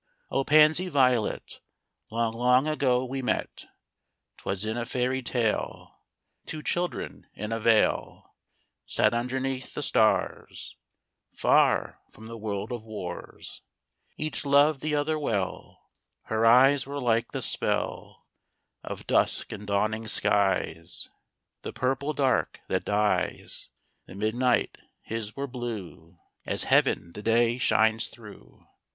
IV O pansy violet, Long, long ago we met 'Twas in a Fairy tale: Two children in a vale Sat underneath the stars, Far from the world of wars: Each loved the other well: Her eyes were like the spell Of dusk and dawning skies The purple dark that dyes The midnight: his were blue As heaven the day shines through.